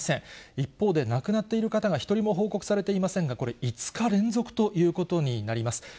一方で、亡くなっている方が１人も報告されていませんが、これ、５日連続ということになります。